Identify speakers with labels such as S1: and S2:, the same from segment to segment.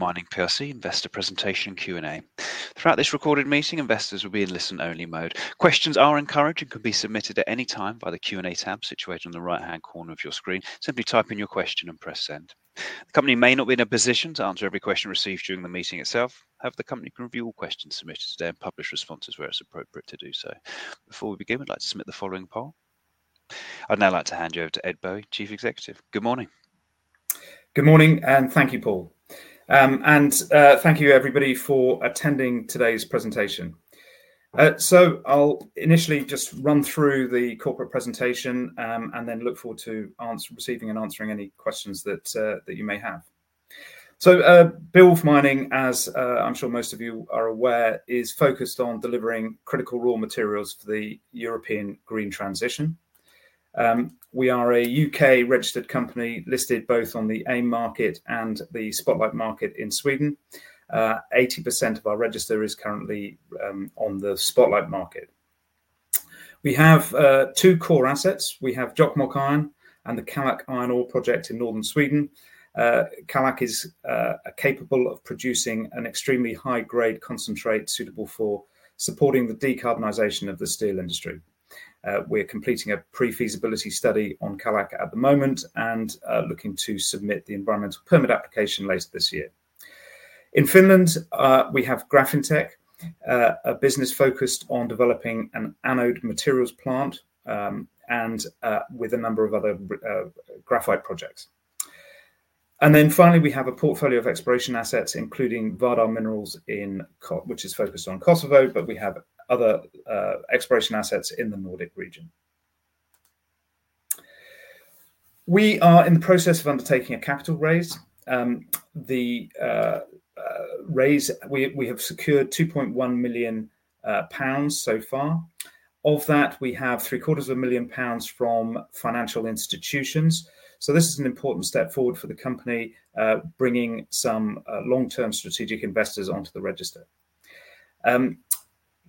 S1: Mining plc Investor Presentation Q&A. Throughout this recorded meeting, investors will be in listen-only mode. Questions are encouraged and can be submitted at any time by the Q&A tab situated on the right-hand corner of your screen. Simply type in your question and press send. The company may not be in a position to answer every question received during the meeting itself. However, the company can review all questions submitted today and publish responses where it is appropriate to do so. Before we begin, we would like to submit the following poll. I would now like to hand you over to Ed Bowie, Chief Executive. Good morning.
S2: Good morning, and thank you, Paul. Thank you, everybody, for attending today's presentation. I'll initially just run through the corporate presentation and then look forward to receiving and answering any questions that you may have. Beowulf Mining, as I'm sure most of you are aware, is focused on delivering critical raw materials for the European green transition. We are a U.K.-registered company listed both on the AIM market and the Spotlight market in Sweden. 80% of our register is currently on the Spotlight market. We have two core assets. We have Jokkmokk Iron and the Kallak Iron Ore Project in northern Sweden. Kallak is capable of producing an extremely high-grade concentrate suitable for supporting the decarbonisation of the steel industry. We're completing a pre-feasibility study on Kallak at the moment and looking to submit the environmental permit application later this year. In Finland, we have Grafintec, a business focused on developing an anode materials plant and with a number of other graphite projects. Finally, we have a portfolio of exploration assets, including Vardar Minerals, which is focused on Kosovo, but we have other exploration assets in the Nordic region. We are in the process of undertaking a capital raise. The raise we have secured 2.1 million pounds so far. Of that, we have 750,000 pounds from financial institutions. This is an important step forward for the company, bringing some long-term strategic investors onto the register.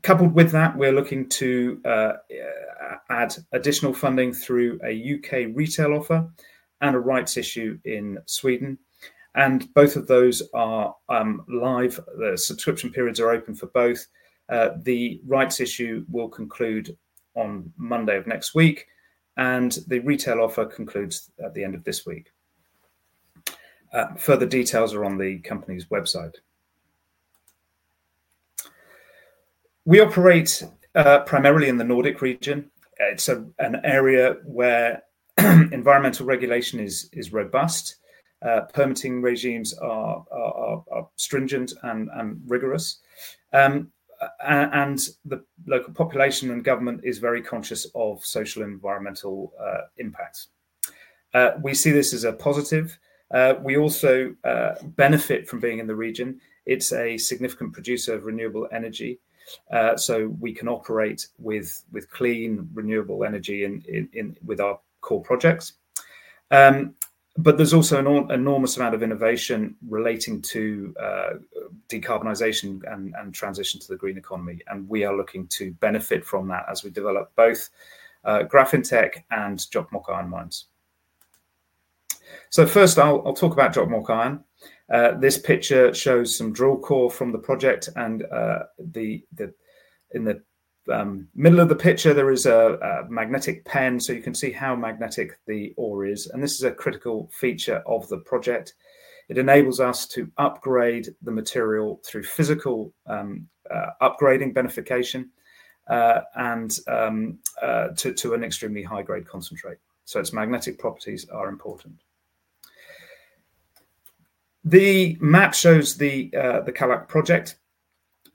S2: Coupled with that, we are looking to add additional funding through a U.K. retail offer and a rights issue in Sweden. Both of those are live. The subscription periods are open for both. The rights issue will conclude on Monday of next week, and the retail offer concludes at the end of this week. Further details are on the company's website. We operate primarily in the Nordic region. It's an area where environmental regulation is robust. Permitting regimes are stringent and rigorous, and the local population and government are very conscious of social and environmental impacts. We see this as a positive. We also benefit from being in the region. It's a significant producer of renewable energy, so we can operate with clean renewable energy with our core projects. There is also an enormous amount of innovation relating to decarbonisation and transition to the green economy, and we are looking to benefit from that as we develop both Grafintec and Jokkmokk Iron Mines. First, I'll talk about Jokkmokk Iron. This picture shows some drill core from the project, and in the middle of the picture, there is a magnetic pen, so you can see how magnetic the ore is. This is a critical feature of the project. It enables us to upgrade the material through physical upgrading benefication and to an extremely high-grade concentrate. Its magnetic properties are important. The map shows the Kallak project.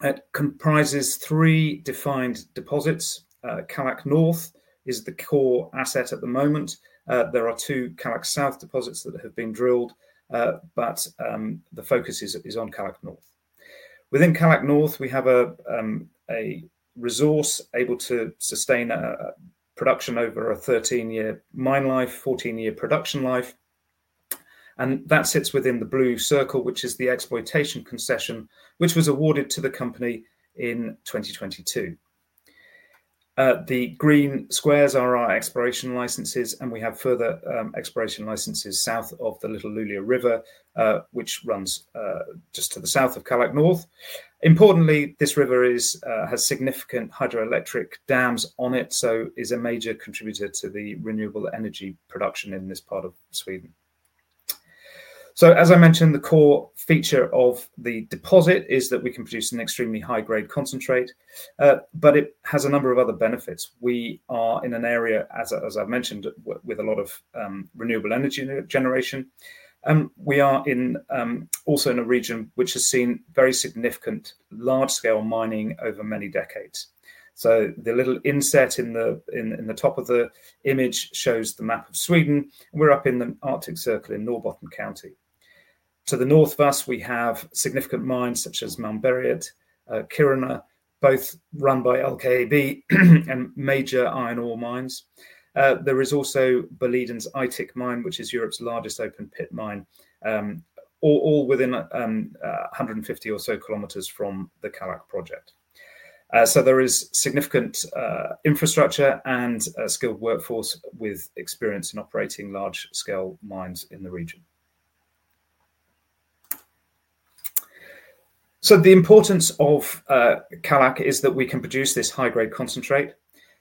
S2: It comprises three defined deposits. Kallak North is the core asset at the moment. There are two Kallak South deposits that have been drilled, but the focus is on Kallak North. Within Kallak North, we have a resource able to sustain production over a 13-year mine life, 14-year production life, and that sits within the blue circle, which is the exploitation concession, which was awarded to the company in 2022. The green squares are our exploration licenses, and we have further exploration licenses south of the Little Lule River, which runs just to the south of Kallak North. Importantly, this river has significant hydroelectric dams on it, so it is a major contributor to the renewable energy production in this part of Sweden. As I mentioned, the core feature of the deposit is that we can produce an extremely high-grade concentrate, but it has a number of other benefits. We are in an area, as I've mentioned, with a lot of renewable energy generation, and we are also in a region which has seen very significant large-scale mining over many decades. The little inset in the top of the image shows the map of Sweden. We're up in the Arctic Circle in Norrbotten County. To the north of us, we have significant mines such as Malmberget, Kiruna, both run by LKAB and major iron ore mines. There is also Boliden's Aitik Mine, which is Europe's largest open-pit mine, all within 150 or so kilometers from the Kallak project. There is significant infrastructure and a skilled workforce with experience in operating large-scale mines in the region. The importance of Kallak is that we can produce this high-grade concentrate.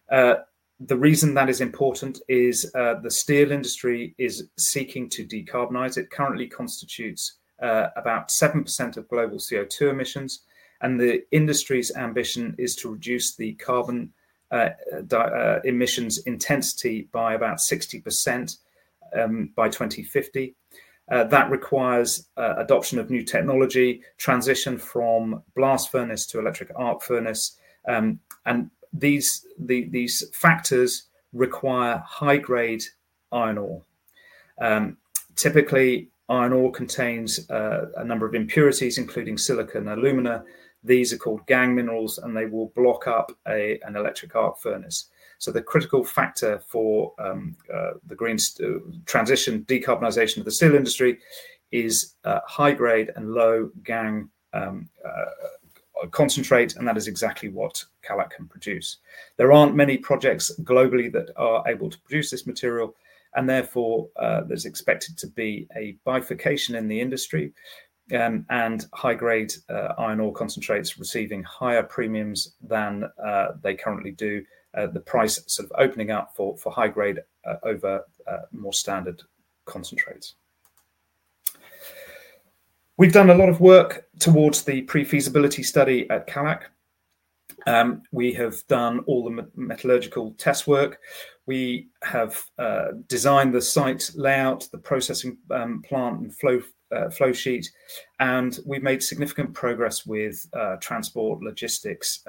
S2: The reason that is important is the steel industry is seeking to decarbonize. It currently constitutes about 7% of global CO2 emissions, and the industry's ambition is to reduce the carbon emissions intensity by about 60% by 2050. That requires adoption of new technology, transition from blast furnace to electric arc furnace, and these factors require high-grade iron ore. Typically, iron ore contains a number of impurities, including silica and alumina. These are called gangue minerals, and they will block up an electric arc furnace. The critical factor for the green transition decarbonization of the steel industry is high-grade and low-gangue concentrate, and that is exactly what Kallak can produce. There aren't many projects globally that are able to produce this material, and therefore there's expected to be a bifurcation in the industry and high-grade iron ore concentrates receiving higher premiums than they currently do, the price sort of opening up for high-grade over more standard concentrates. We've done a lot of work towards the pre-feasibility study at Kallak. We have done all the metallurgical test work. We have designed the site layout, the processing plant and flow sheet, and we've made significant progress with transport, logistics,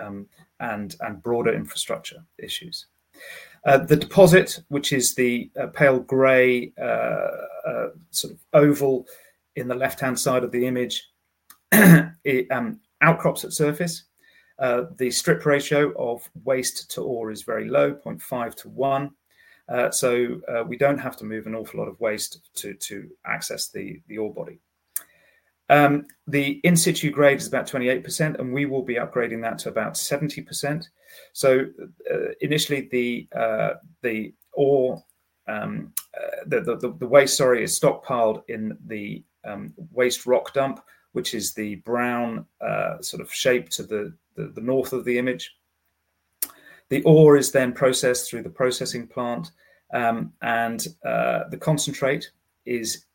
S2: and broader infrastructure issues. The deposit, which is the pale grey sort of oval in the left-hand side of the image, outcrops at surface. The strip ratio of waste to ore is very low, 0.5 to 1, so we do not have to move an awful lot of waste to access the ore body. The in-situ grade is about 28%, and we will be upgrading that to about 70%. Initially, the waste is stockpiled in the waste rock dump, which is the brown sort of shape to the north of the image. The ore is then processed through the processing plant, and the concentrate is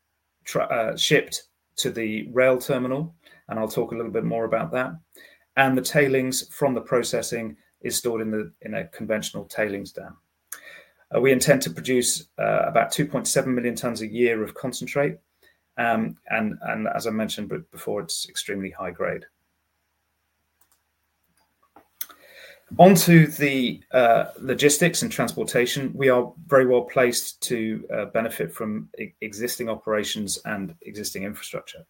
S2: shipped to the rail terminal. I will talk a little bit more about that. The tailings from the processing is stored in a conventional tailings dam. We intend to produce about 2.7 million tonnes a year of concentrate, and as I mentioned before, it's extremely high-grade. Onto the logistics and transportation, we are very well placed to benefit from existing operations and existing infrastructure.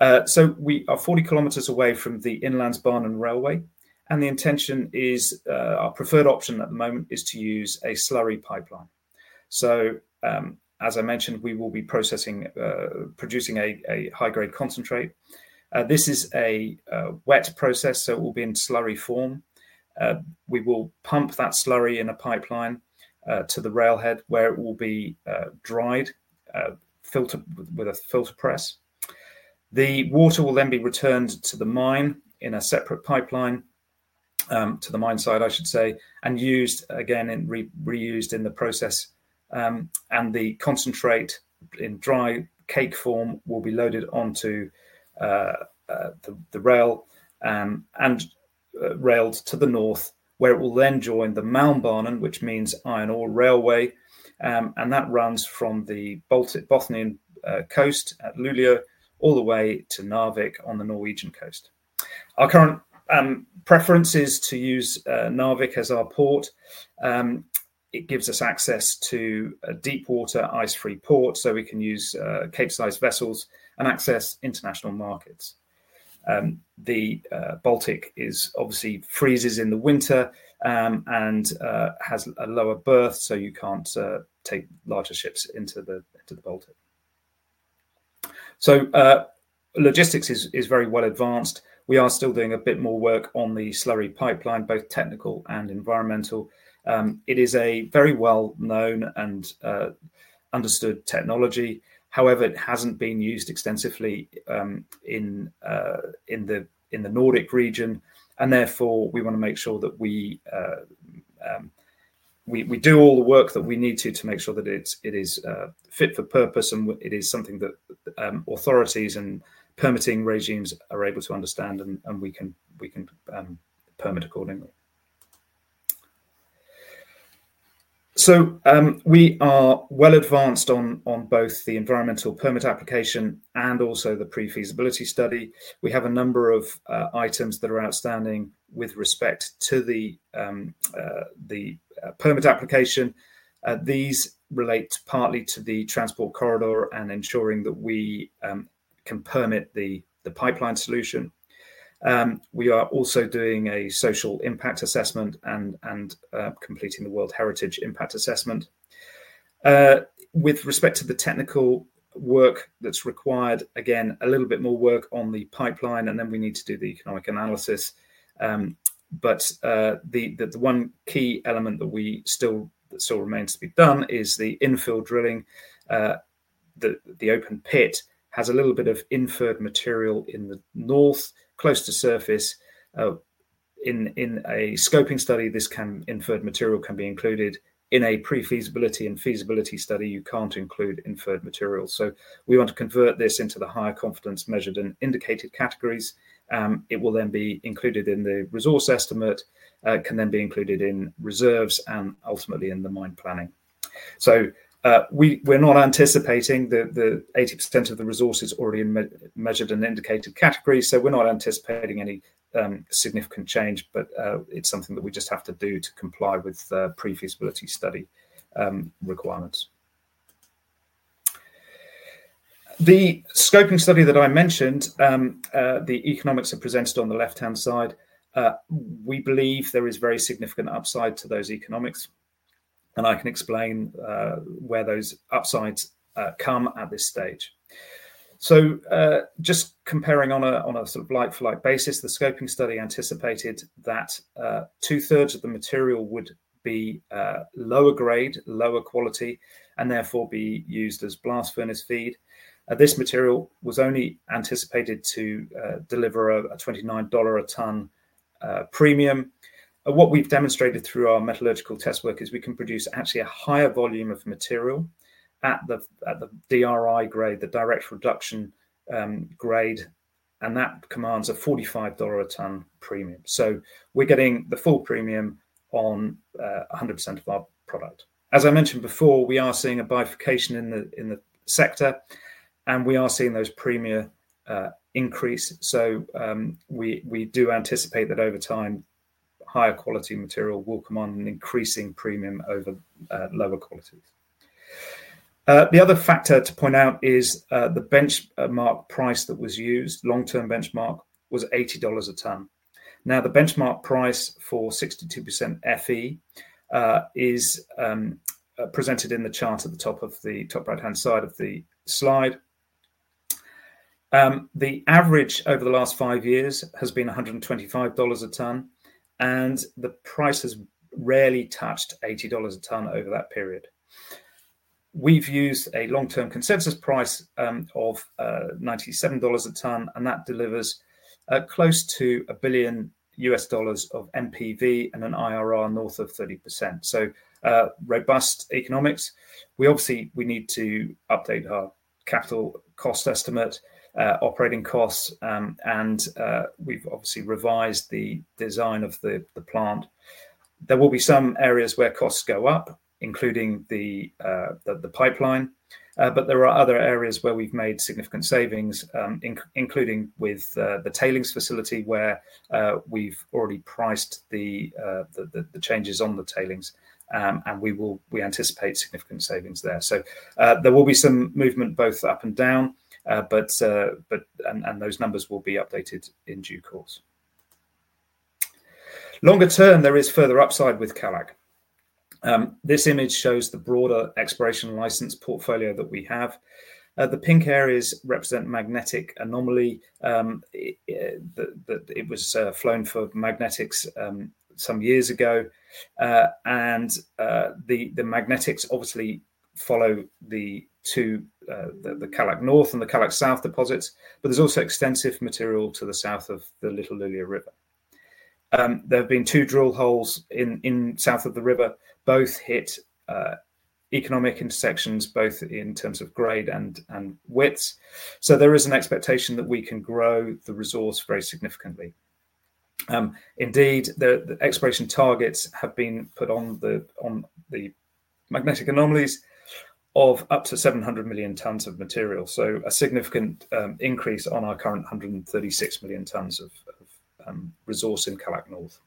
S2: We are 40 km away from the inland barn and railway, and the intention is our preferred option at the moment is to use a slurry pipeline. As I mentioned, we will be processing, producing a high-grade concentrate. This is a wet process, so it will be in slurry form. We will pump that slurry in a pipeline to the railhead where it will be dried, filtered with a filter press. The water will then be returned to the mine in a separate pipeline to the mine site, I should say, and used again and reused in the process. The concentrate in dry cake form will be loaded onto the rail and railed to the north, where it will then join the Malmbanan, which means iron ore railway, and that runs from the Bothnian coast at Luleå all the way to Narvik on the Norwegian coast. Our current preference is to use Narvik as our port. It gives us access to a deep-water ice-free port, so we can use cape-sized vessels and access international markets. The Baltic obviously freezes in the winter and has a lower berth, so you cannot take larger ships into the Baltic. Logistics is very well advanced. We are still doing a bit more work on the slurry pipeline, both technical and environmental. It is a very well-known and understood technology. However, it hasn't been used extensively in the Nordic region, and therefore we want to make sure that we do all the work that we need to to make sure that it is fit for purpose and it is something that authorities and permitting regimes are able to understand, and we can permit accordingly. We are well advanced on both the environmental permit application and also the pre-feasibility study. We have a number of items that are outstanding with respect to the permit application. These relate partly to the transport corridor and ensuring that we can permit the pipeline solution. We are also doing a social impact assessment and completing the World Heritage Impact Assessment. With respect to the technical work that's required, again, a little bit more work on the pipeline, and then we need to do the economic analysis. The one key element that still remains to be done is the infill drilling. The open pit has a little bit of inferred material in the north, close to surface. In a scoping study, this inferred material can be included. In a pre-feasibility and feasibility study, you can't include inferred material. We want to convert this into the higher confidence measured and indicated categories. It will then be included in the resource estimate, can then be included in reserves, and ultimately in the mine planning. We're not anticipating that 80% of the resource is already measured and indicated category, so we're not anticipating any significant change, but it's something that we just have to do to comply with the pre-feasibility study requirements. The scoping study that I mentioned, the economics are presented on the left-hand side. We believe there is very significant upside to those economics, and I can explain where those upsides come at this stage. Just comparing on a sort of like-for-like basis, the scoping study anticipated that 2/3 of the material would be lower grade, lower quality, and therefore be used as blast furnace feed. This material was only anticipated to deliver a $29 a tonne premium. What we've demonstrated through our metallurgical test work is we can produce actually a higher volume of material at the DRI grade, the direct reduction grade, and that commands a $45 a tonne premium. We are getting the full premium on 100% of our product. As I mentioned before, we are seeing a bifurcation in the sector, and we are seeing those premiums increase. We do anticipate that over time, higher quality material will command an increasing premium over lower qualities. The other factor to point out is the benchmark price that was used, long-term benchmark, was $80 a tonne. Now, the benchmark price for 62% Fe is presented in the chart at the top of the top right-hand side of the slide. The average over the last five years has been $125 a tonne, and the price has rarely touched $80 a tonne over that period. We've used a long-term consensus price of $97 a tonne, and that delivers close to a billion U.S. dollars of NPV and an IRR north of 30%. Robust economics. We obviously need to update our capital cost estimate, operating costs, and we've obviously revised the design of the plant. There will be some areas where costs go up, including the pipeline, but there are other areas where we've made significant savings, including with the tailings facility where we've already priced the changes on the tailings, and we anticipate significant savings there. There will be some movement both up and down, and those numbers will be updated in due course. Longer term, there is further upside with Kallak. This image shows the broader exploration license portfolio that we have. The pink areas represent magnetic anomaly. It was flown for magnetics some years ago, and the magnetics obviously follow the two Kallak North and the Kallak South deposits, but there's also extensive material to the south of the Little Luleå River. There have been two drill holes in south of the river. Both hit economic intersections, both in terms of grade and width. There is an expectation that we can grow the resource very significantly. Indeed, the exploration targets have been put on the magnetic anomalies of up to 700 million tonnes of material. A significant increase on our current 136 million tonnes of resource in Kallak North.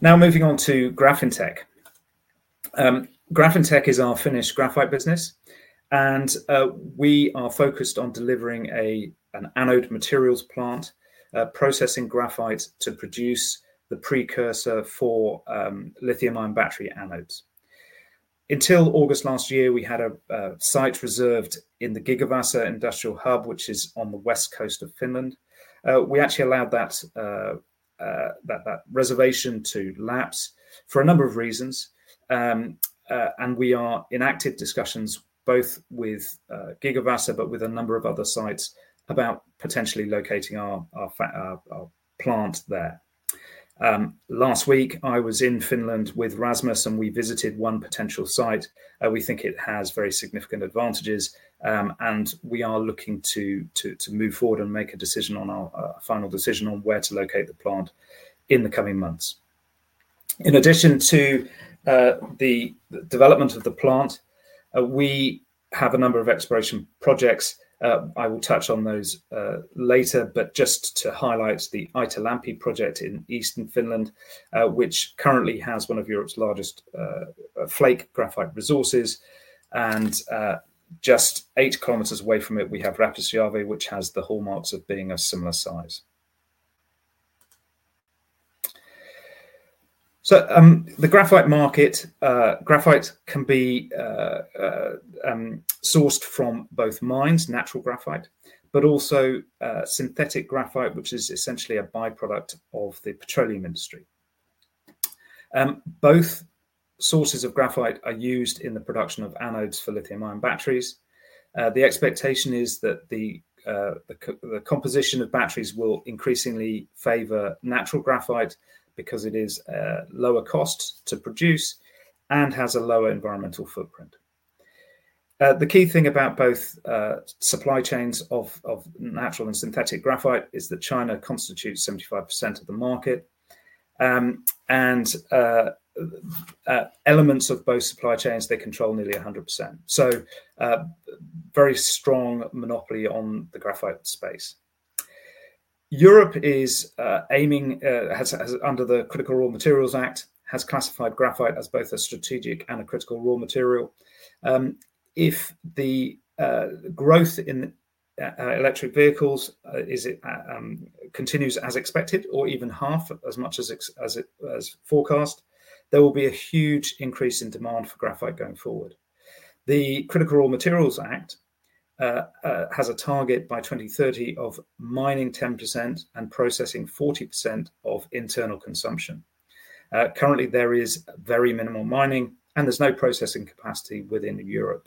S2: Now, moving on to Grafintec. Grafintec is our Finnish graphite business, and we are focused on delivering an anode materials plant, processing graphite to produce the precursor for lithium-ion battery anodes. Until August last year, we had a site reserved in the GigaVaasa Industrial Hub, which is on the west coast of Finland. We actually allowed that reservation to lapse for a number of reasons, and we are in active discussions both with GigaVaasa but with a number of other sites about potentially locating our plant there. Last week, I was in Finland with Rasmus, and we visited one potential site. We think it has very significant advantages, and we are looking to move forward and make a decision on our final decision on where to locate the plant in the coming months. In addition to the development of the plant, we have a number of exploration projects. I will touch on those later, but just to highlight the Aitolampi project in eastern Finland, which currently has one of Europe's largest flake graphite resources, and just eight kilometers away from it, we have Rääpysjärvi, which has the hallmarks of being a similar size. The graphite market, graphite can be sourced from both mines, natural graphite, but also synthetic graphite, which is essentially a byproduct of the petroleum industry. Both sources of graphite are used in the production of anodes for lithium-ion batteries. The expectation is that the composition of batteries will increasingly favor natural graphite because it is lower cost to produce and has a lower environmental footprint. The key thing about both supply chains of natural and synthetic graphite is that China constitutes 75% of the market, and elements of both supply chains, they control nearly 100%. Very strong monopoly on the graphite space. Europe is aiming, under the Critical Raw Materials Act, has classified graphite as both a strategic and a critical raw material. If the growth in electric vehicles continues as expected or even half as much as forecast, there will be a huge increase in demand for graphite going forward. The Critical Raw Materials Act has a target by 2030 of mining 10% and processing 40% of internal consumption. Currently, there is very minimal mining, and there is no processing capacity within Europe.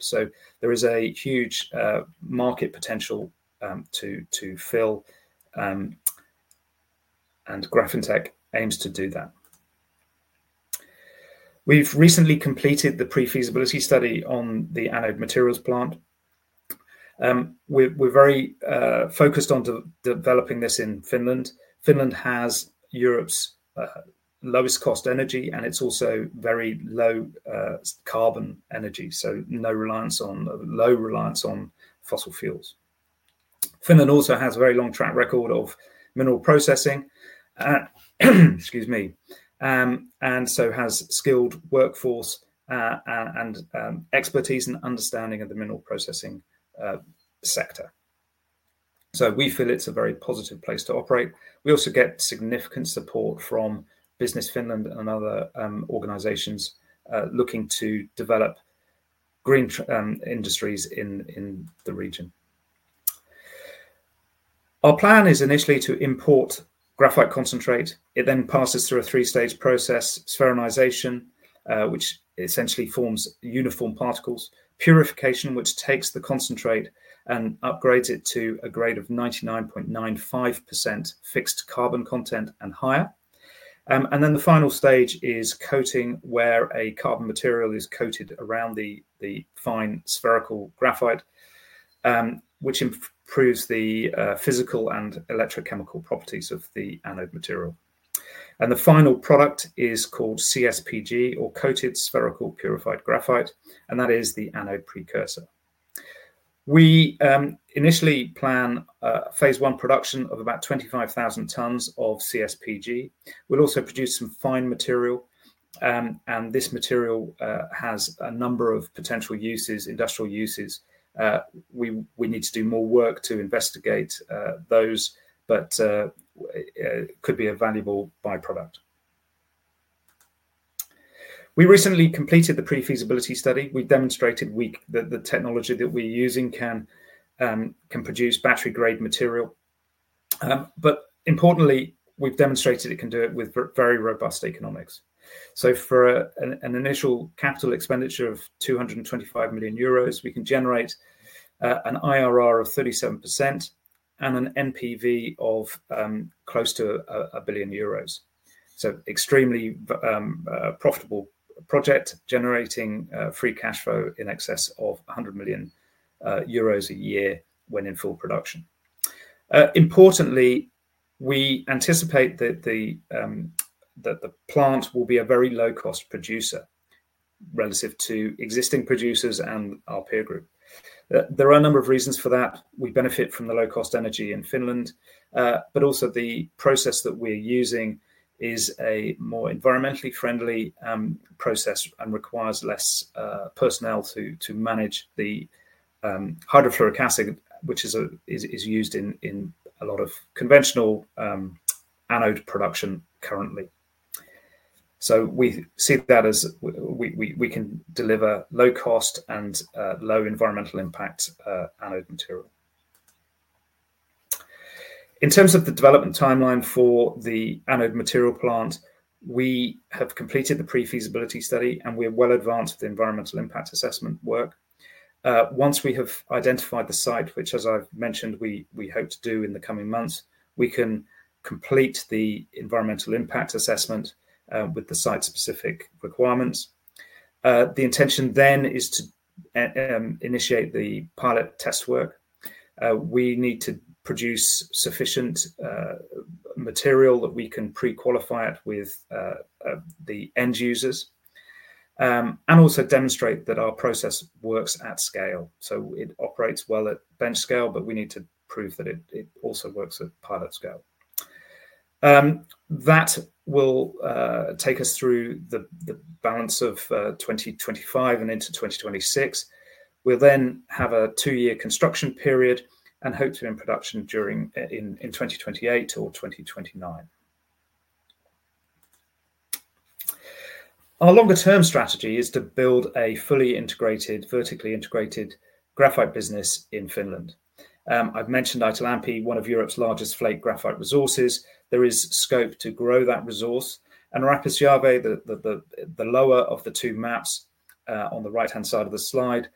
S2: There is a huge market potential to fill, and Grafintec aims to do that. We've recently completed the pre-feasibility study on the anode materials plant. We're very focused on developing this in Finland. Finland has Europe's lowest cost energy, and it's also very low carbon energy, so no reliance on fossil fuels. Finland also has a very long track record of mineral processing, excuse me, and so has skilled workforce and expertise and understanding of the mineral processing sector. We feel it's a very positive place to operate. We also get significant support from Business Finland and other organizations looking to develop green industries in the region. Our plan is initially to import graphite concentrate. It then passes through a three-stage process: spheronisation, which essentially forms uniform particles; purification, which takes the concentrate and upgrades it to a grade of 99.95% fixed carbon content and higher; and the final stage is coating, where a carbon material is coated around the fine spherical graphite, which improves the physical and electrochemical properties of the anode material. The final product is called CSPG, or Coated Spherical Purified Graphite, and that is the anode precursor. We initially plan phase I production of about 25,000 tonnes of CSPG. We'll also produce some fine material, and this material has a number of potential uses, industrial uses. We need to do more work to investigate those, but it could be a valuable byproduct. We recently completed the pre-feasibility study. We've demonstrated that the technology that we're using can produce battery-grade material. Importantly, we have demonstrated it can do it with very robust economics. For an initial capital expenditure of 225 million euros, we can generate an IRR of 37% and an NPV of close to 1 billion euros. Extremely profitable project, generating free cash flow in excess of 100 million euros a year when in full production. Importantly, we anticipate that the plant will be a very low-cost producer relative to existing producers and our peer group. There are a number of reasons for that. We benefit from the low-cost energy in Finland, but also the process that we are using is a more environmentally friendly process and requires fewer personnel to manage the hydrofluoric acid, which is used in a lot of conventional anode production currently. We see that as we can deliver low-cost and low environmental impact anode material. In terms of the development timeline for the anode material plant, we have completed the pre-feasibility study, and we're well advanced with the environmental impact assessment work. Once we have identified the site, which, as I've mentioned, we hope to do in the coming months, we can complete the environmental impact assessment with the site-specific requirements. The intention then is to initiate the pilot test work. We need to produce sufficient material that we can pre-qualify it with the end users and also demonstrate that our process works at scale. It operates well at bench scale, but we need to prove that it also works at pilot scale. That will take us through the balance of 2025 and into 2026. We'll then have a two-year construction period and hope to be in production during 2028 or 2029. Our longer-term strategy is to build a fully integrated, vertically integrated graphite business in Finland. I've mentioned Aitolampi, one of Europe's largest flake graphite resources. There is scope to grow that resource. Rääpysjärvi, the lower of the two maps on the right-hand side of the slide,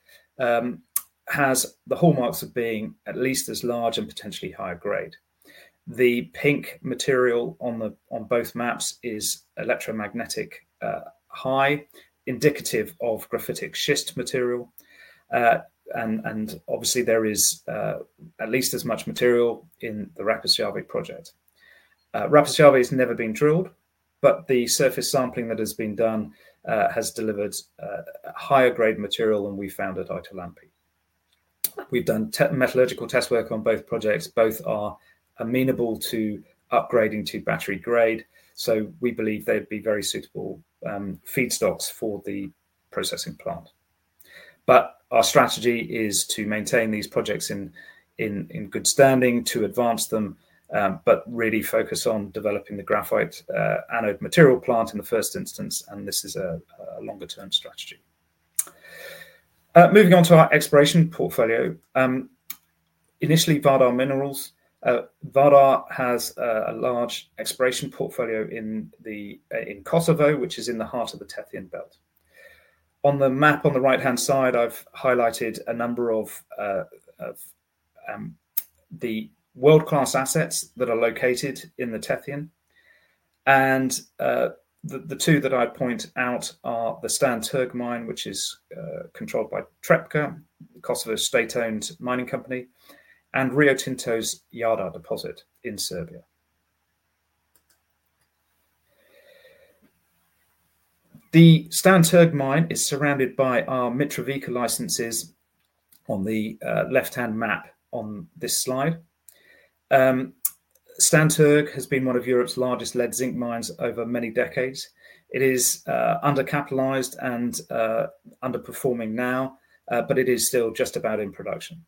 S2: has the hallmarks of being at least as large and potentially higher grade. The pink material on both maps is electromagnetic high, indicative of graphitic schist material. Obviously, there is at least as much material in the Rääpysjärvi project. Rääpysjärvi has never been drilled, but the surface sampling that has been done has delivered higher-grade material than we found at Aitolampi. We've done metallurgical test work on both projects. Both are amenable to upgrading to battery grade, so we believe they'd be very suitable feedstocks for the processing plant. Our strategy is to maintain these projects in good standing, to advance them, but really focus on developing the graphite anode material plant in the first instance. This is a longer-term strategy. Moving on to our exploration portfolio, initially, Vardar Minerals. Vardar has a large exploration portfolio in Kosovo, which is in the heart of the Tethyan Belt. On the map on the right-hand side, I've highlighted a number of the world-class assets that are located in the Tethyan. The two that I point out are Stan Trg mine, which is controlled by Trepça, Kosovo's state-owned mining company, and Rio Tinto's Jadar deposit in Serbia. Stan Trg mine is surrounded by our Mitrovica licences on the left-hand map on this Stan Trg has been one of Europe's largest lead zinc mines over many decades. It is undercapitalized and underperforming now, but it is still just about in production.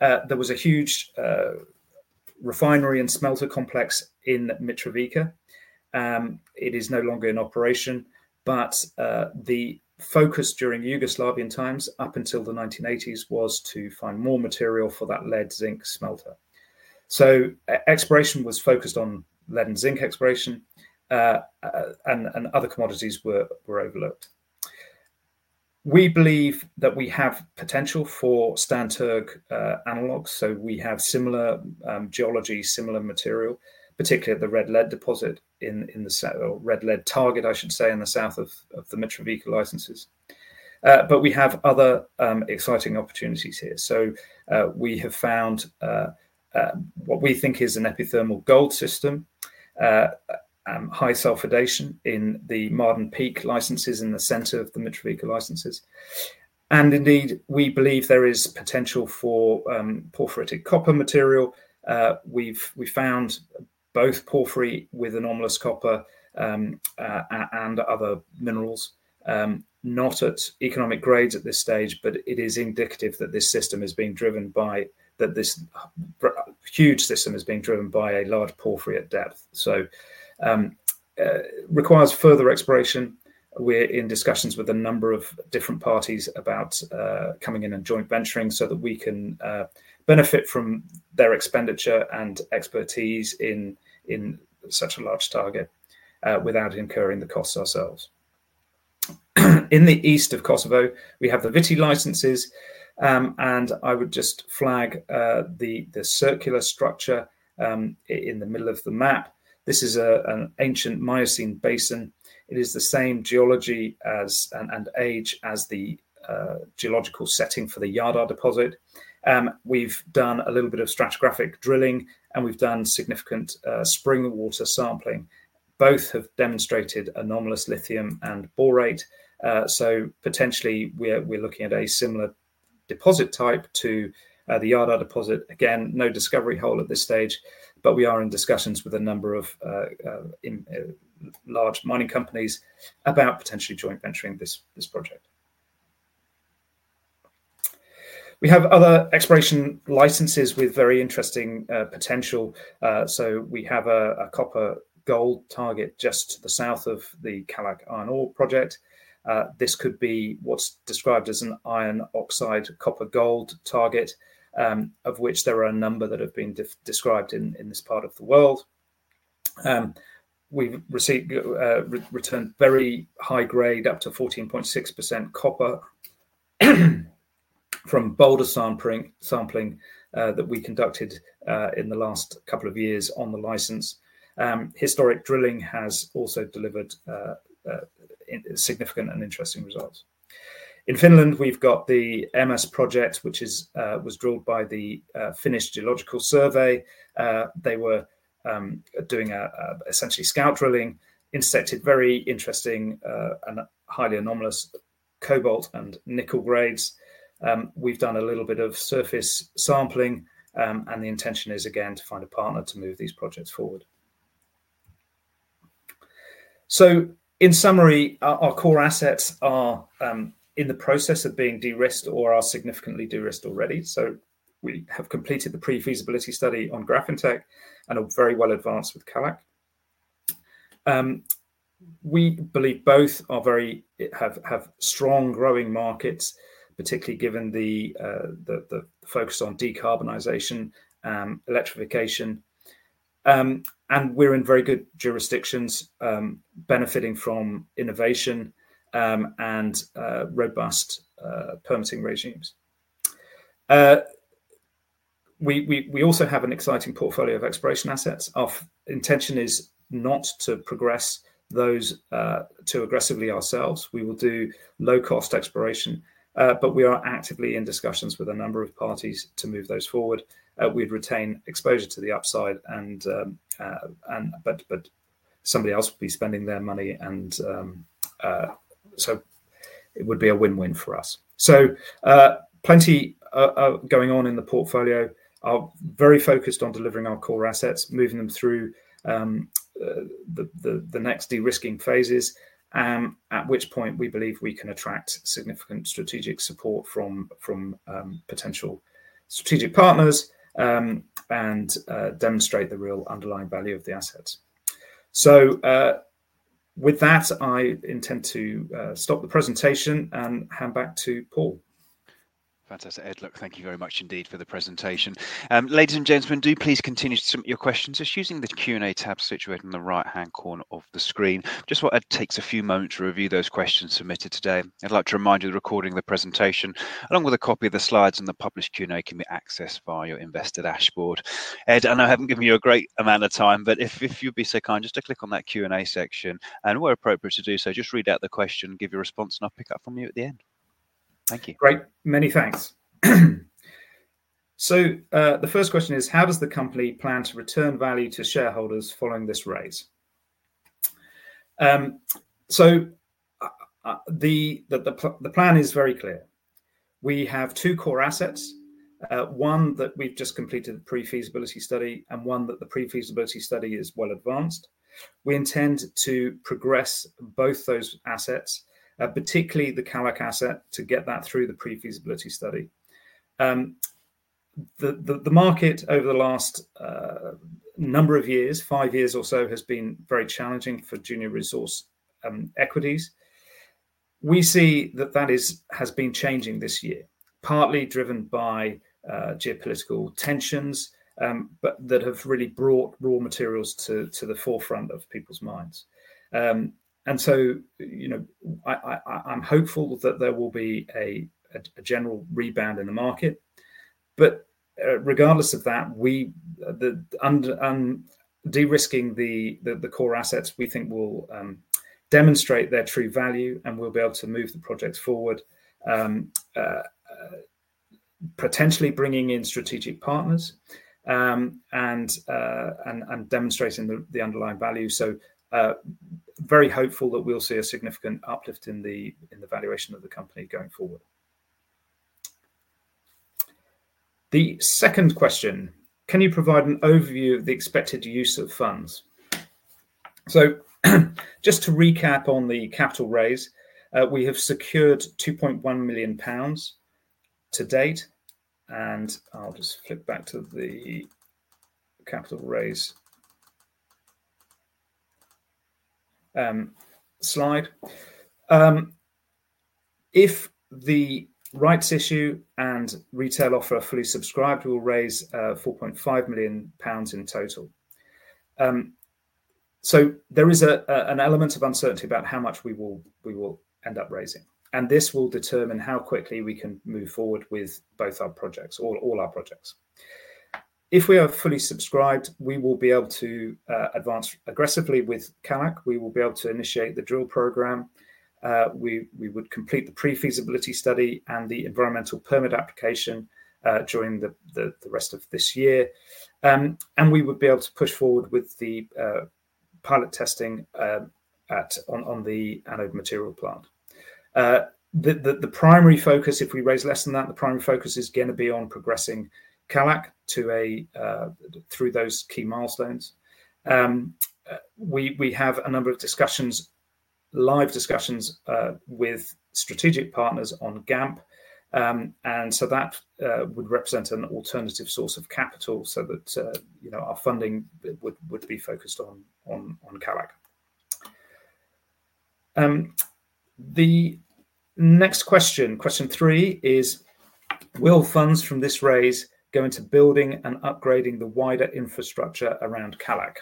S2: There was a huge refinery and smelter complex in Mitrovica. It is no longer in operation, but the focus during Yugoslavian times up until the 1980s was to find more material for that lead zinc smelter. Exploration was focused on lead and zinc exploration, and other commodities were overlooked. We believe that we have potential Stan Trg analogs, so we have similar geology, similar material, particularly at the Red Lead deposit in the Red Lead target, in the south of the Mitrovica licenses. We have other exciting opportunities here. We have found what we think is an epithermal gold system, high sulfidation, in the Marten Peak licenses in the center of the Mitrovica licenses. Indeed, we believe there is potential for porphyritic copper material. We've found both porphyry with anomalous copper and other minerals, not at economic grades at this stage, but it is indicative that this system is being driven by, that this huge system is being driven by, a large porphyry at depth. It requires further exploration. We're in discussions with a number of different parties about coming in and joint venturing so that we can benefit from their expenditure and expertise in such a large target without incurring the costs ourselves. In the east of Kosovo, we have the Viti licences, and I would just flag the circular structure in the middle of the map. This is an ancient Miocene basin. It is the same geology and age as the geological setting for the Jadar deposit. We've done a little bit of stratigraphic drilling, and we've done significant spring water sampling. Both have demonstrated anomalous lithium and borate. Potentially, we're looking at a similar deposit type to the Jadar deposit. Again, no discovery hole at this stage, but we are in discussions with a number of large mining companies about potentially joint venturing this project. We have other exploration licenses with very interesting potential. We have a copper gold target just to the south of the Kallak Iron Ore Project. This could be what's described as an iron oxide copper gold target, of which there are a number that have been described in this part of the world. We've returned very high-grade, up to 14.6% copper from boulder sampling that we conducted in the last couple of years on the license. Historic drilling has also delivered significant and interesting results. In Finland, we've got the MS project, which was drilled by the Finnish Geological Survey. They were doing essentially scout drilling, inspected very interesting and highly anomalous cobalt and nickel grades. We've done a little bit of surface sampling, and the intention is, again, to find a partner to move these projects forward. In summary, our core assets are in the process of being de-risked or are significantly de-risked already. We have completed the pre-feasibility study on Grafintec and are very well advanced with Kallak. We believe both have strong growing markets, particularly given the focus on decarbonisation and electrification. We are in very good jurisdictions, benefiting from innovation and robust permitting regimes. We also have an exciting portfolio of exploration assets. Our intention is not to progress those too aggressively ourselves. We will do low-cost exploration, but we are actively in discussions with a number of parties to move those forward. We'd retain exposure to the upside, but somebody else would be spending their money, and it would be a win-win for us. Plenty going on in the portfolio. We're very focused on delivering our core assets, moving them through the next de-risking phases, at which point we believe we can attract significant strategic support from potential strategic partners and demonstrate the real underlying value of the assets. With that, I intend to stop the presentation and hand back to Paul.
S1: Fantastic. Ed, thank you very much indeed for the presentation. Ladies and gentlemen, do please continue to submit your questions just using the Q&A tab situated in the right-hand corner of the screen. Just want to take a few moments to review those questions submitted today. I'd like to remind you the recording of the presentation, along with a copy of the slides and the published Q&A, can be accessed via your investor dashboard. Ed, I know I haven't given you a great amount of time, but if you'd be so kind just to click on that Q&A section, and where appropriate to do so, just read out the question, give your response, and I'll pick up from you at the end. Thank you.
S2: Great. Many thanks. The first question is, how does the company plan to return value to shareholders following this raise? The plan is very clear. We have two core assets, one that we've just completed the pre-feasibility study and one that the pre-feasibility study is well advanced. We intend to progress both those assets, particularly the Kallak asset, to get that through the pre-feasibility study. The market over the last number of years, five years or so, has been very challenging for junior resource equities. We see that that has been changing this year, partly driven by geopolitical tensions that have really brought raw materials to the forefront of people's minds. I am hopeful that there will be a general rebound in the market. Regardless of that, de-risking the core assets, we think, will demonstrate their true value, and we will be able to move the projects forward, potentially bringing in strategic partners and demonstrating the underlying value. I am very hopeful that we will see a significant uplift in the valuation of the company going forward. The second question, can you provide an overview of the expected use of funds? Just to recap on the capital raise, we have secured 2.1 million pounds to date. I will just flip back to the capital raise slide. If the rights issue and retail offer are fully subscribed, we will raise 4.5 million pounds in total. There is an element of uncertainty about how much we will end up raising. This will determine how quickly we can move forward with both our projects, all our projects. If we are fully subscribed, we will be able to advance aggressively with Kallak. We will be able to initiate the drill program. We would complete the pre-feasibility study and the environmental permit application during the rest of this year. We would be able to push forward with the pilot testing on the anode material plant. The primary focus, if we raise less than that, the primary focus is going to be on progressing Kallak through those key milestones. We have a number of discussions, live discussions with strategic partners on GAMP. That would represent an alternative source of capital so that our funding would be focused on Kallak. The next question, question three, is, will funds from this raise go into building and upgrading the wider infrastructure around Kallak?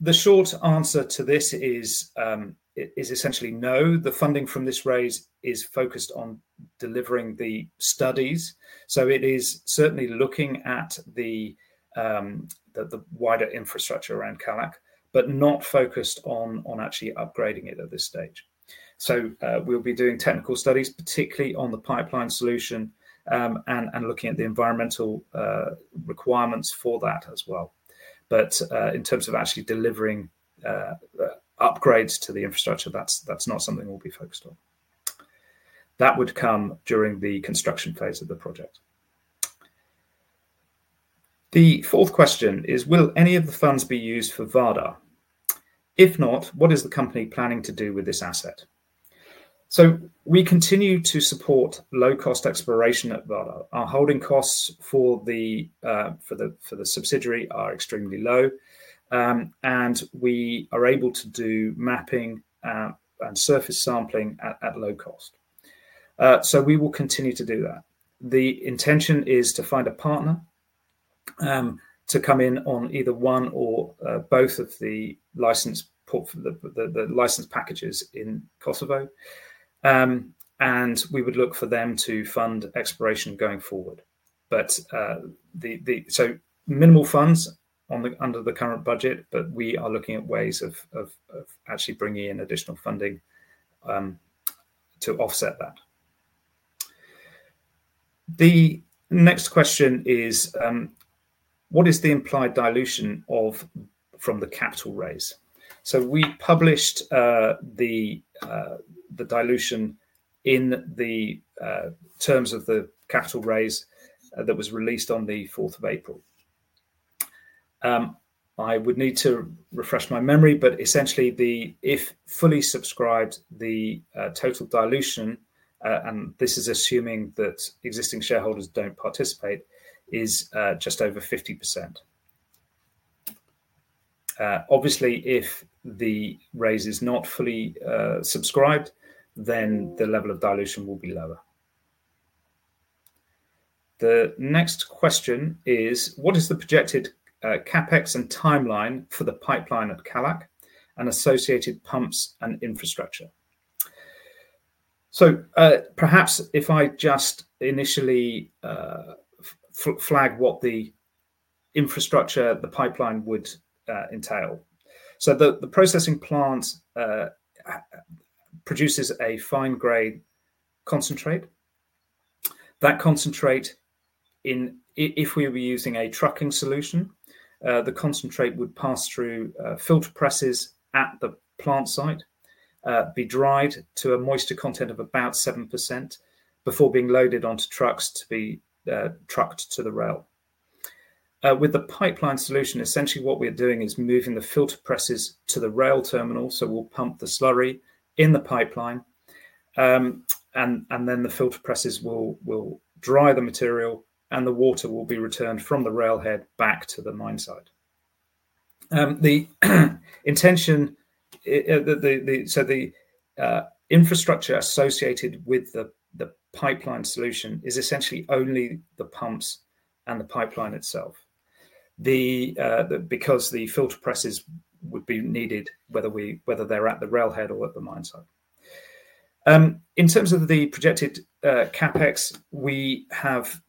S2: The short answer to this is essentially no. The funding from this raise is focused on delivering the studies. It is certainly looking at the wider infrastructure around Kallak, but not focused on actually upgrading it at this stage. We will be doing technical studies, particularly on the pipeline solution, and looking at the environmental requirements for that as well. In terms of actually delivering upgrades to the infrastructure, that's not something we will be focused on. That would come during the construction phase of the project. The fourth question is, will any of the funds be used for Vardar? If not, what is the company planning to do with this asset? We continue to support low-cost exploration at Vardar. Our holding costs for the subsidiary are extremely low, and we are able to do mapping and surface sampling at low cost. We will continue to do that. The intention is to find a partner to come in on either one or both of the license packages in Kosovo. We would look for them to fund exploration going forward. Minimal funds under the current budget, but we are looking at ways of actually bringing in additional funding to offset that. The next question is, what is the implied dilution from the capital raise? We published the dilution in the terms of the capital raise that was released on the 4th of April. I would need to refresh my memory, but essentially, if fully subscribed, the total dilution, and this is assuming that existing shareholders do not participate, is just over 50%. Obviously, if the raise is not fully subscribed, then the level of dilution will be lower. The next question is, what is the projected CapEx and timeline for the pipeline at Kallak and associated pumps and infrastructure? Perhaps if I just initially flag what the infrastructure, the pipeline would entail. The processing plant produces a fine-grade concentrate. That concentrate, if we were using a trucking solution, would pass through filter presses at the plant site, be dried to a moisture content of about 7% before being loaded onto trucks to be trucked to the rail. With the pipeline solution, essentially what we are doing is moving the filter presses to the rail terminal. We'll pump the slurry in the pipeline, and then the filter presses will dry the material, and the water will be returned from the railhead back to the mine site. The infrastructure associated with the pipeline solution is essentially only the pumps and the pipeline itself, because the filter presses would be needed whether they're at the railhead or at the mine site. In terms of the projected CapEx, we have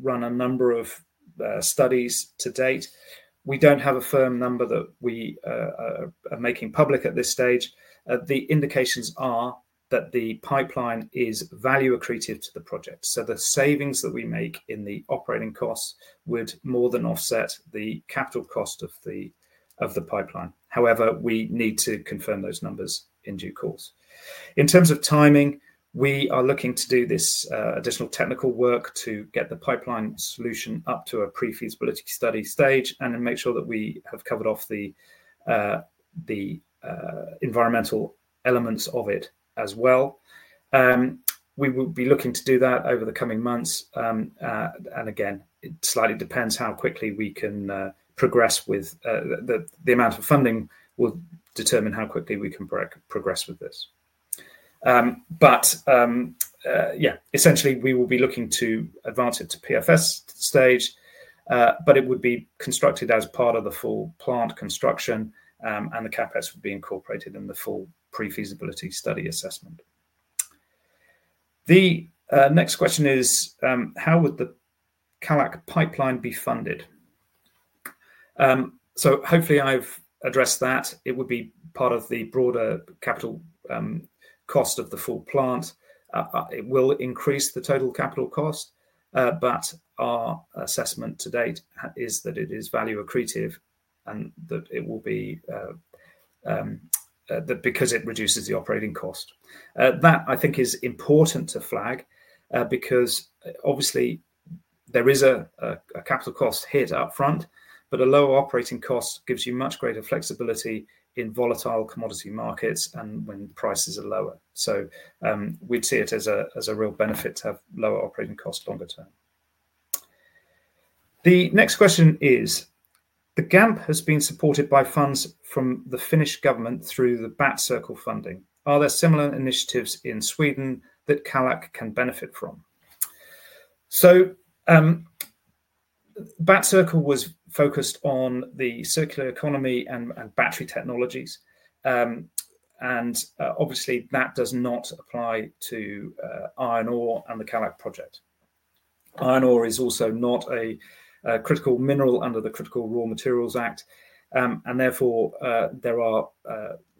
S2: run a number of studies to date. We don't have a firm number that we are making public at this stage. The indications are that the pipeline is value-accretive to the project. The savings that we make in the operating costs would more than offset the capital cost of the pipeline. However, we need to confirm those numbers in due course. In terms of timing, we are looking to do this additional technical work to get the pipeline solution up to a pre-feasibility study stage and make sure that we have covered off the environmental elements of it as well. We will be looking to do that over the coming months. It slightly depends how quickly we can progress with the amount of funding will determine how quickly we can progress with this. Yeah, essentially, we will be looking to advance it to PFS stage, but it would be constructed as part of the full plant construction, and the CapEx would be incorporated in the full pre-feasibility study assessment. The next question is, how would the Kallak pipeline be funded? Hopefully, I've addressed that. It would be part of the broader capital cost of the full plant. It will increase the total capital cost, but our assessment to date is that it is value-accretive and that it will be because it reduces the operating cost. That, I think, is important to flag because, obviously, there is a capital cost hit upfront, but a lower operating cost gives you much greater flexibility in volatile commodity markets and when prices are lower. We would see it as a real benefit to have lower operating costs longer term. The next question is, the GAMP has been supported by funds from the Finnish government through the BATCircle funding. Are there similar initiatives in Sweden that Kallak can benefit from? BATCircle was focused on the circular economy and battery technologies. Obviously, that does not apply to iron ore and the Kallak project. Iron ore is also not a critical mineral under the Critical Raw Materials Act, and therefore, there are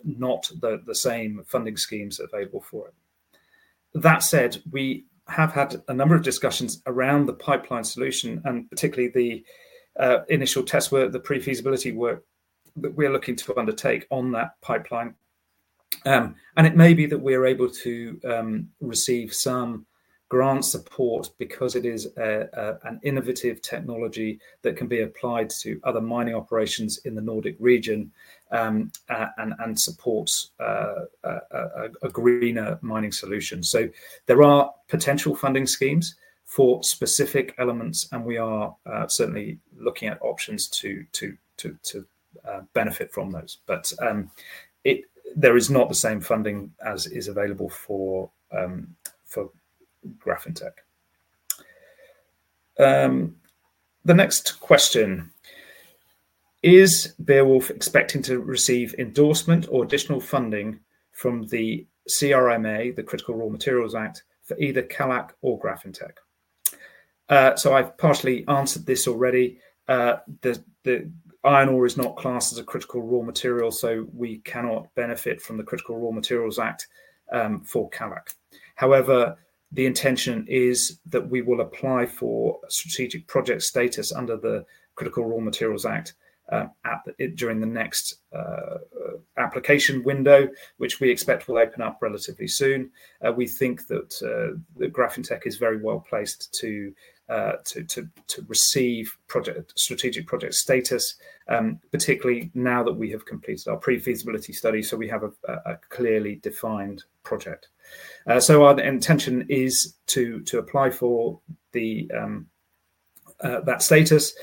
S2: not the same funding schemes available for it. That said, we have had a number of discussions around the pipeline solution and particularly the initial test work, the pre-feasibility work that we're looking to undertake on that pipeline. It may be that we are able to receive some grant support because it is an innovative technology that can be applied to other mining operations in the Nordic region and supports a greener mining solution. There are potential funding schemes for specific elements, and we are certainly looking at options to benefit from those. There is not the same funding as is available for Grafintec. The next question is, Beowulf expecting to receive endorsement or additional funding from the CRMA, the Critical Raw Materials Act, for either Kallak or Grafintec? I've partially answered this already. Iron ore is not classed as a critical raw material, so we cannot benefit from the Critical Raw Materials Act for Kallak. However, the intention is that we will apply for strategic project status under the Critical Raw Materials Act during the next application window, which we expect will open up relatively soon. We think that Grafintec is very well placed to receive strategic project status, particularly now that we have completed our pre-feasibility study. We have a clearly defined project. Our intention is to apply for that status.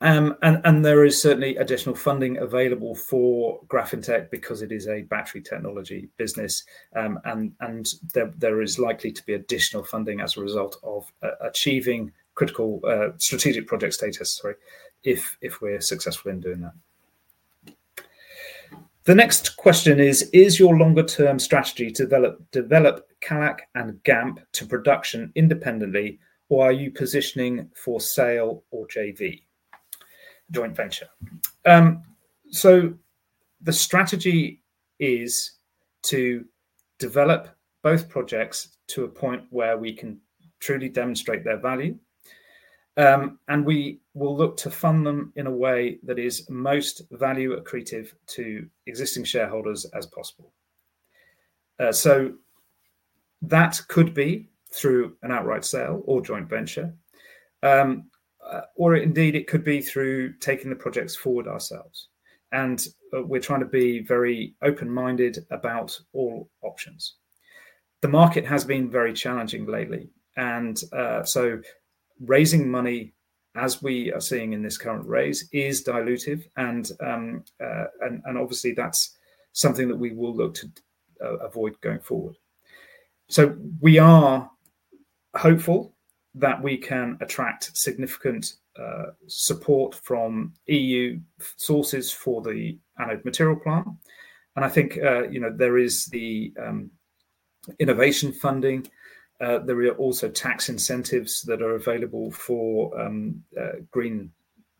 S2: There is certainly additional funding available for Grafintec because it is a battery technology business, and there is likely to be additional funding as a result of achieving strategic project status, sorry, if we're successful in doing that. The next question is, is your longer-term strategy to develop Kallak and GAMP to production independently, or are you positioning for sale or JV joint venture? The strategy is to develop both projects to a point where we can truly demonstrate their value. We will look to fund them in a way that is most value-accretive to existing shareholders as possible. That could be through an outright sale or joint venture, or indeed, it could be through taking the projects forward ourselves. We are trying to be very open-minded about all options. The market has been very challenging lately. Raising money, as we are seeing in this current raise, is dilutive. Obviously, that is something that we will look to avoid going forward. We are hopeful that we can attract significant support from E.U. sources for the anode material plant. I think there is the innovation funding. There are also tax incentives that are available for green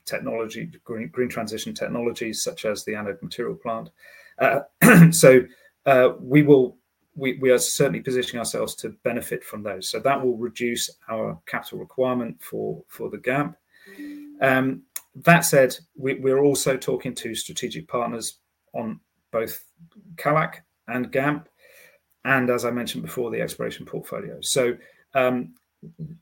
S2: transition technologies such as the anode material plant. We are certainly positioning ourselves to benefit from those. That will reduce our capital requirement for the GAMP. That said, we are also talking to strategic partners on both Kallak and GAMP, and as I mentioned before, the exploration portfolio.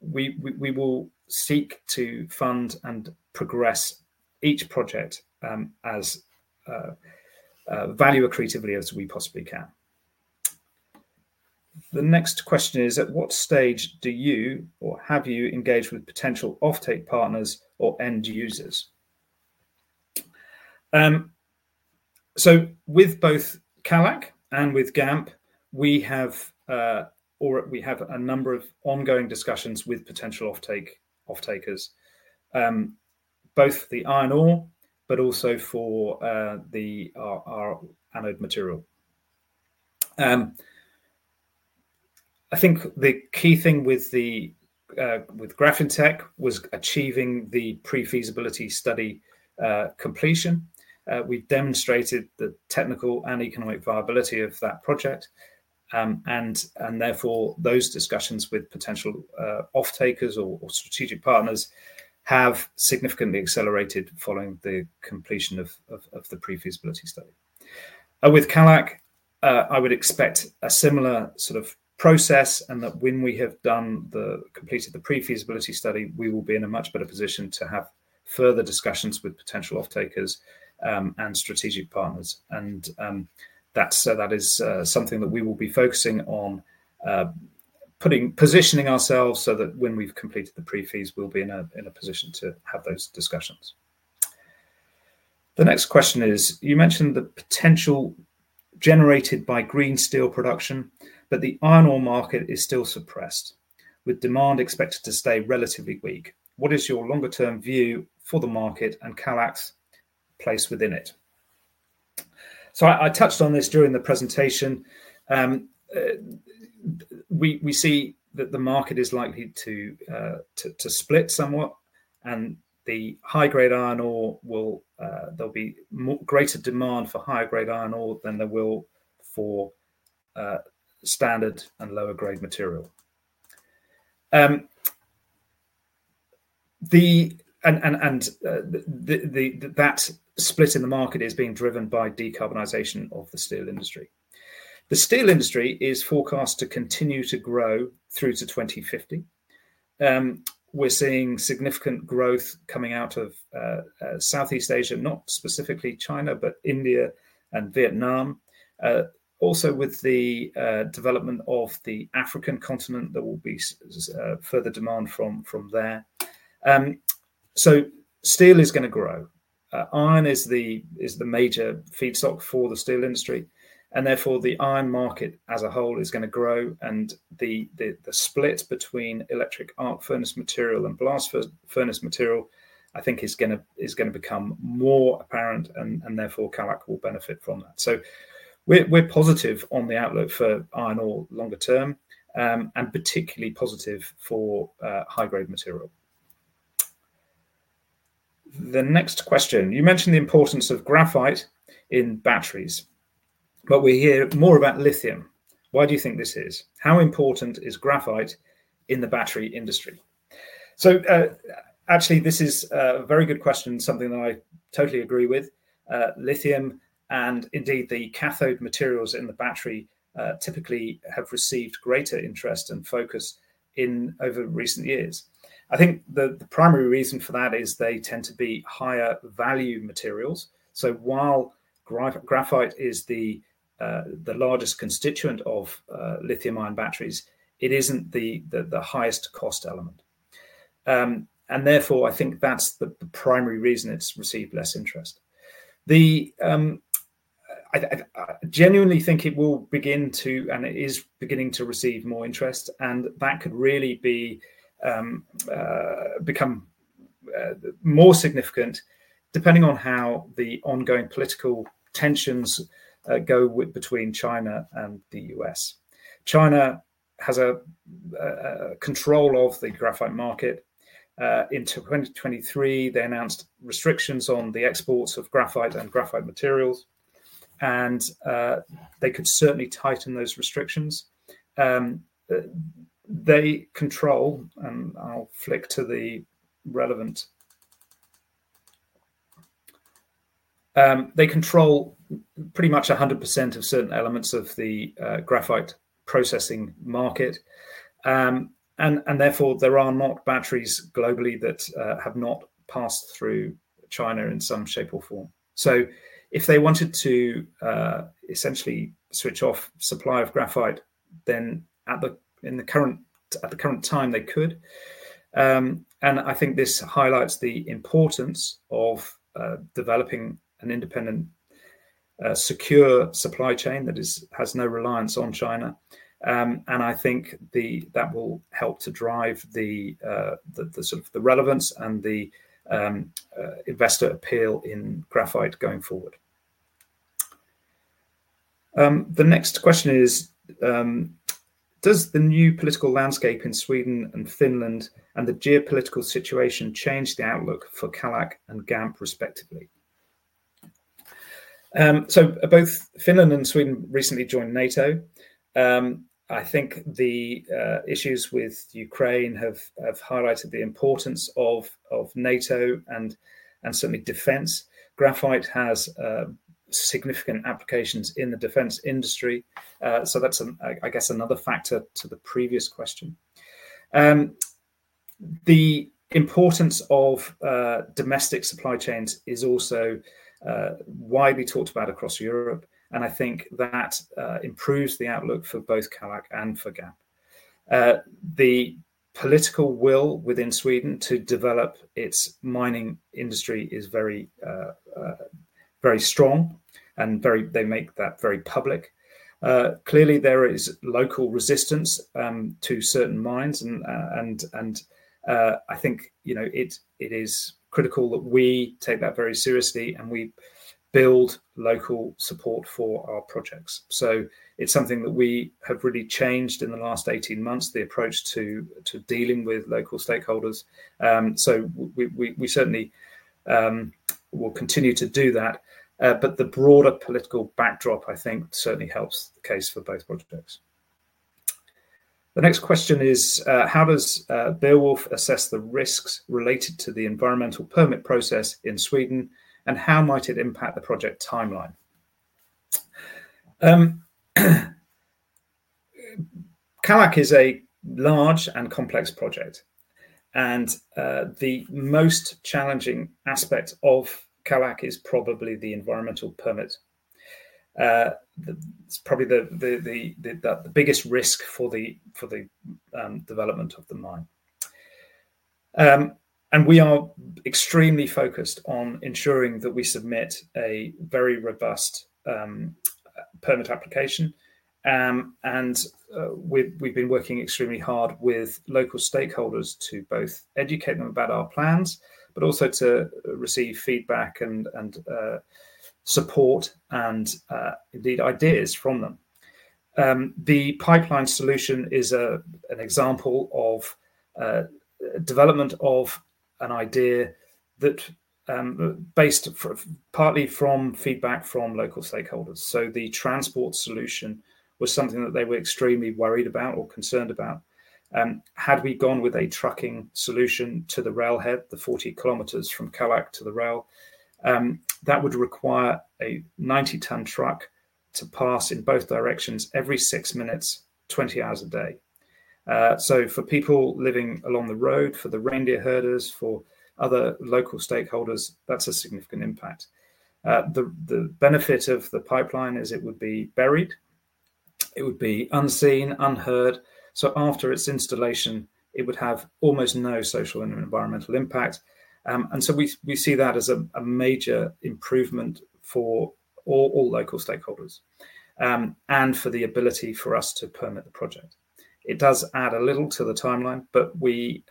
S2: We will seek to fund and progress each project as value-accretively as we possibly can. The next question is, at what stage do you or have you engaged with potential offtake partners or end users? With both Kallak and with GAMP, we have a number of ongoing discussions with potential offtakers, both for the iron ore, but also for our anode material. I think the key thing with Grafintec was achieving the pre-feasibility study completion. We demonstrated the technical and economic viability of that project. Therefore, those discussions with potential offtakers or strategic partners have significantly accelerated following the completion of the pre-feasibility study. With Kallak, I would expect a similar sort of process and that when we have completed the pre-feasibility study, we will be in a much better position to have further discussions with potential offtakers and strategic partners. That is something that we will be focusing on, positioning ourselves so that when we've completed the pre-feas, we'll be in a position to have those discussions. The next question is, you mentioned the potential generated by green steel production, but the iron ore market is still suppressed, with demand expected to stay relatively weak. What is your longer-term view for the market and Kallak's place within it? I touched on this during the presentation. We see that the market is likely to split somewhat, and the high-grade iron ore, there'll be greater demand for higher-grade iron ore than there will be for standard and lower-grade material. That split in the market is being driven by decarbonisation of the steel industry. The steel industry is forecast to continue to grow through to 2050. We're seeing significant growth coming out of Southeast Asia, not specifically China, but India and Vietnam, also with the development of the African continent. There will be further demand from there. Steel is going to grow. Iron is the major feedstock for the steel industry. Therefore, the iron market as a whole is going to grow. The split between electric arc furnace material and blast furnace material, I think, is going to become more apparent, and therefore, Kallak will benefit from that. We're positive on the outlook for iron ore longer term and particularly positive for high-grade material. The next question, you mentioned the importance of graphite in batteries, but we hear more about lithium. Why do you think this is? How important is graphite in the battery industry? Actually, this is a very good question, something that I totally agree with. Lithium and indeed, the cathode materials in the battery typically have received greater interest and focus over recent years. I think the primary reason for that is they tend to be higher-value materials. While graphite is the largest constituent of lithium-ion batteries, it isn't the highest-cost element. Therefore, I think that's the primary reason it's received less interest. I genuinely think it will begin to, and it is beginning to receive more interest, and that could really become more significant depending on how the ongoing political tensions go between China and the U.S. China has control of the graphite market. In 2023, they announced restrictions on the exports of graphite and graphite materials, and they could certainly tighten those restrictions. They control, and I'll flick to the relevant—they control pretty much 100% of certain elements of the graphite processing market. Therefore, there are not batteries globally that have not passed through China in some shape or form. If they wanted to essentially switch off supply of graphite, then in the current time, they could. I think this highlights the importance of developing an independent, secure supply chain that has no reliance on China. I think that will help to drive the sort of relevance and the investor appeal in graphite going forward. The next question is, does the new political landscape in Sweden and Finland and the geopolitical situation change the outlook for Kallak and GAMP respectively? Both Finland and Sweden recently joined NATO. I think the issues with Ukraine have highlighted the importance of NATO and certainly defense. Graphite has significant applications in the defense industry. That's, I guess, another factor to the previous question. The importance of domestic supply chains is also widely talked about across Europe. I think that improves the outlook for both Kallak and for GAMP. The political will within Sweden to develop its mining industry is very strong, and they make that very public. Clearly, there is local resistance to certain mines. I think it is critical that we take that very seriously and we build local support for our projects. It is something that we have really changed in the last 18 months, the approach to dealing with local stakeholders. We certainly will continue to do that. The broader political backdrop, I think, certainly helps the case for both projects. The next question is, how does Beowulf assess the risks related to the environmental permit process in Sweden, and how might it impact the project timeline? Kallak is a large and complex project. The most challenging aspect of Kallak is probably the environmental permit. It is probably the biggest risk for the development of the mine. We are extremely focused on ensuring that we submit a very robust permit application. We have been working extremely hard with local stakeholders to both educate them about our plans, but also to receive feedback and support and, indeed, ideas from them. The pipeline solution is an example of development of an idea based partly from feedback from local stakeholders. The transport solution was something that they were extremely worried about or concerned about. Had we gone with a trucking solution to the railhead, the 40 km from Kallak to the rail, that would require a 90-tonne truck to pass in both directions every six minutes, 20 hours a day. For people living along the road, for the reindeer herders, for other local stakeholders, that is a significant impact. The benefit of the pipeline is it would be buried. It would be unseen, unheard. After its installation, it would have almost no social and environmental impact. We see that as a major improvement for all local stakeholders and for the ability for us to permit the project. It does add a little to the timeline, but we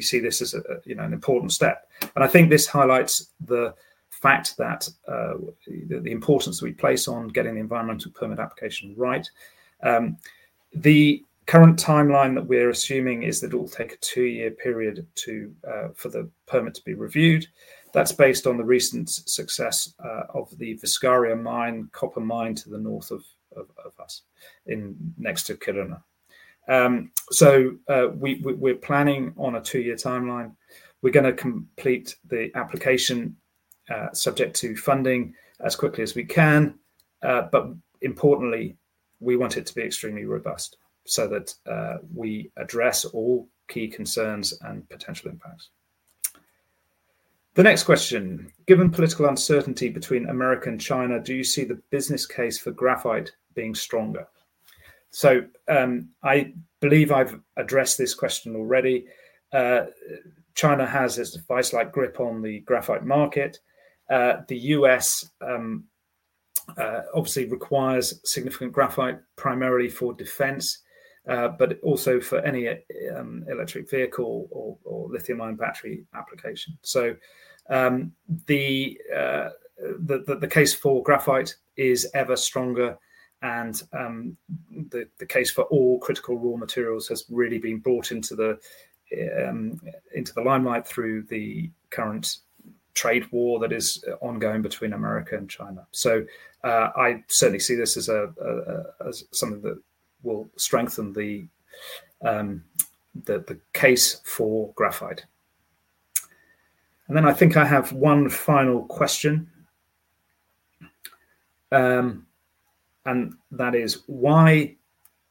S2: see this as an important step. I think this highlights the fact that the importance we place on getting the environmental permit application right. The current timeline that we're assuming is that it will take a two-year period for the permit to be reviewed. That's based on the recent success of the Viscaria mine, copper mine to the north of us, next to Kiruna. We are planning on a two-year timeline. We're going to complete the application subject to funding as quickly as we can. Importantly, we want it to be extremely robust so that we address all key concerns and potential impacts. The next question, given political uncertainty between America and China, do you see the business case for graphite being stronger? I believe I've addressed this question already. China has a device-like grip on the graphite market. The U.S. obviously requires significant graphite primarily for defense, but also for any electric vehicle or lithium-ion battery application. The case for graphite is ever stronger. The case for all critical raw materials has really been brought into the limelight through the current trade war that is ongoing between America and China. I certainly see this as something that will strengthen the case for graphite. I think I have one final question. That is, why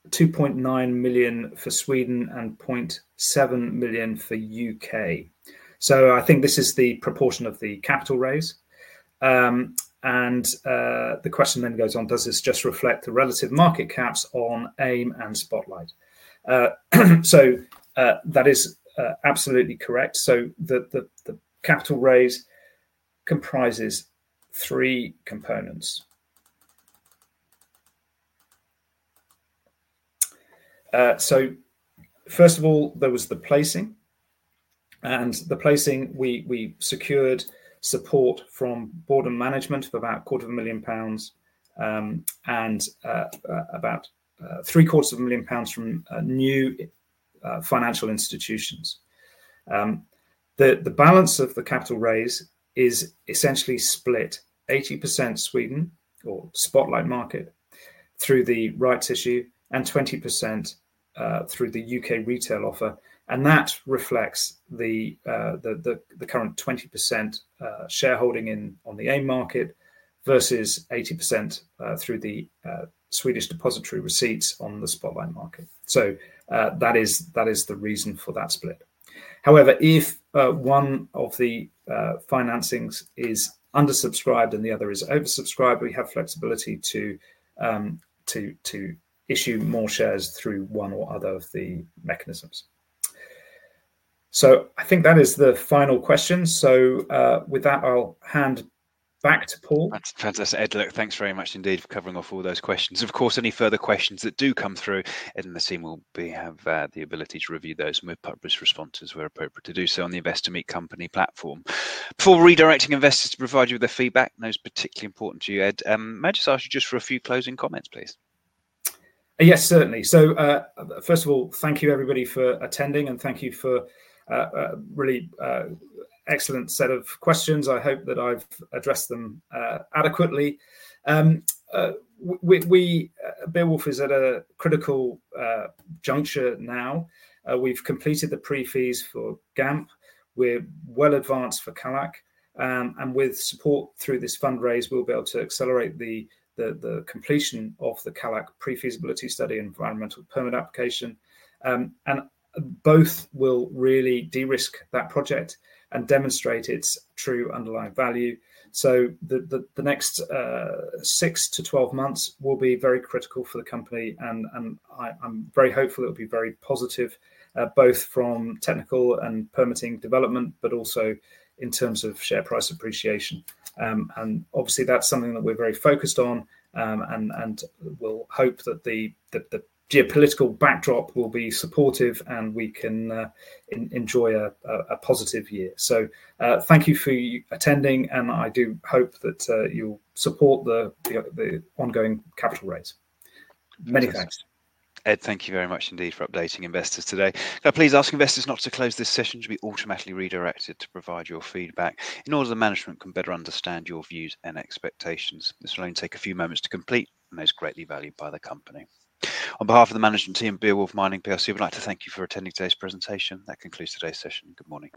S2: 2.9 million for Sweden and 0.7 million for the U.K.? I think this is the proportion of the capital raise. The question then goes on, does this just reflect the relative market caps on AIM and Spotlight? That is absolutely correct. The capital raise comprises three components. First of all, there was the placing. In the placing, we secured support from board and management of about 250,000 pounds and about 750,000 pounds from new financial institutions. The balance of the capital raise is essentially split: 80% Sweden or Spotlight market through the rights issue and 20% through the U.K. retail offer. That reflects the current 20% shareholding on the AIM market versus 80% through the Swedish depository receipts on the Spotlight market. That is the reason for that split. However, if one of the financings is undersubscribed and the other is oversubscribed, we have flexibility to issue more shares through one or other of the mechanisms. I think that is the final question. With that, I'll hand back to Paul.
S1: That's fantastic. Ed, look, thanks very much indeed for covering off all those questions. Of course, any further questions that do come through, Ed and the team will have the ability to review those and move public responses where appropriate to do so on the Investor Meet Company platform. Before redirecting investors to provide you with their feedback, and those particularly important to you, Ed, may I just ask you just for a few closing comments, please?
S2: Yes, certainly. First of all, thank you, everybody, for attending, and thank you for a really excellent set of questions. I hope that I've addressed them adequately. Beowulf is at a critical juncture now. We've completed the pre-fees for GAMP. We're well advanced for Kallak. With support through this fundraise, we'll be able to accelerate the completion of the Kallak pre-feasibility study and environmental permit application. Both will really de-risk that project and demonstrate its true underlying value. The next 6-12 months will be very critical for the company. I'm very hopeful it will be very positive, both from technical and permitting development, but also in terms of share price appreciation. Obviously, that's something that we're very focused on. We hope that the geopolitical backdrop will be supportive and we can enjoy a positive year. Thank you for attending, and I do hope that you'll support the ongoing capital raise. Many thanks.
S1: Ed, thank you very much indeed for updating investors today. Now, please ask investors not to close this session. You'll be automatically redirected to provide your feedback in order that management can better understand your views and expectations. This will only take a few moments to complete, and it's greatly valued by the company. On behalf of the management team at Beowulf Mining, we'd like to thank you for attending today's presentation. That concludes today's session. Good morning.